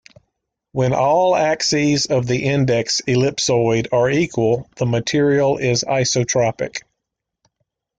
When all axes of the index ellipsoid are equal, the material is isotropic.